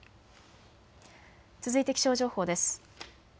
続いて気象情報です。